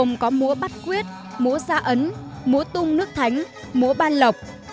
mố bắt quyết mố xa ấn mố tung nước thánh mố ban lọc